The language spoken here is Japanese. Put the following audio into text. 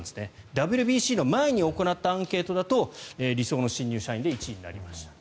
ＷＢＣの前に行ったアンケートだと理想の新入社員で１位になりました。